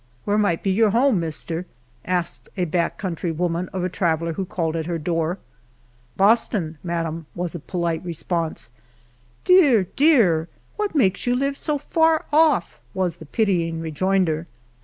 " Where might be your home, Mr. V' asked a back country woman of a traveller who called at her door. " Boston, madam," was the polite response. '• Dear, dear, what makes you live so yar off?" was the pitying rejoinder.